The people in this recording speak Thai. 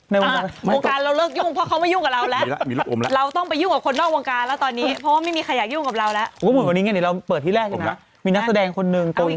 ในวงการองค์การเราเลิกยิ่งเพราะเค้าไม่ยุ่งกับเราแล้ว